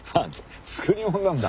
作り物なんだ。